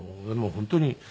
本当にね。